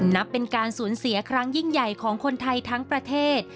นับเป็นการสูญเสียครั้งยิ่งใหญ่ของคนไทยทั้งประเทศ